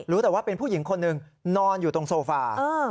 รู้แต่ว่าเป็นผู้หญิงคนหนึ่งนอนอยู่ตรงโซฟา